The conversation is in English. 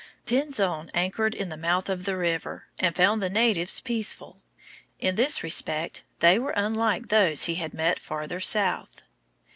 Pinzon anchored in the mouth of the river, and found the natives peaceful. In this respect they were unlike those he had met farther south.